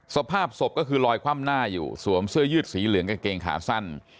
สภาพศพก็คือลอยคว่ำหน้าอยู่สวมเสื้อยืดสีเหลืองกางเกงขาสั้น